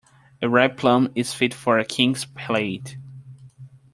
A ripe plum is fit for a king's palate.